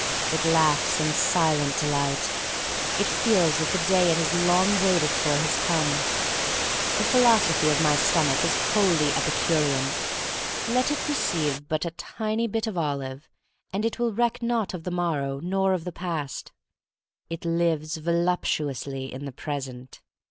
It laughs in silent delight. It feels that the day it has long waited for has come. The philosophy of my stomach is wholly epicurean. Let it receive but a tiny bit of olive and it will reck not of the morrow, nor of the past. It lives, voluptuously, in the present.